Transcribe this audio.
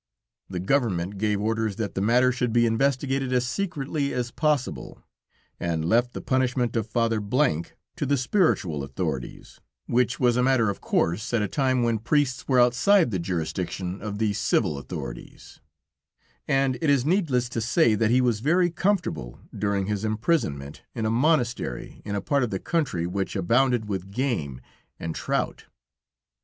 The Government gave orders that the matter should be investigated as secretly as possible, and left the punishment of Father K to the spiritual authorities, which was a matter of course, at a time when priests were outside the jurisdiction of the Civil Authorities; and it is needless to say that he was very comfortable during his imprisonment, in a monastery in a part of the country which abounded with game and trout.